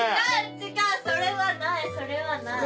それはないそれはない。